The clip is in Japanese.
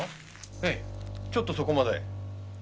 ちょっとそこまで。